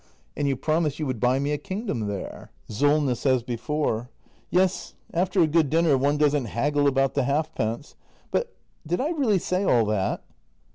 And you promised you would buy me a king dom there. Solness. [As before.] Yes, after a good dinner one doesn't hag gle about the halfpence. But did I really say all that